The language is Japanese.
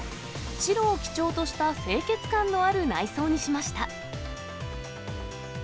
白を基調とした清潔感のある内装にしました。